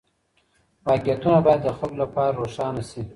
واقعيتونه بايد د خلګو لپاره روښانه سي.